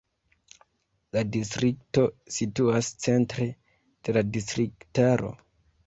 La distrikto situas centre de la distriktaro.